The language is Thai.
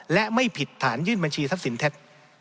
และไม่ผิดฐานยื่นบัญชีทรัพย์สินเท็จ